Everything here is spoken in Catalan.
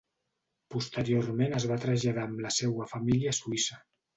Posteriorment es va traslladar amb la seua família a Suïssa.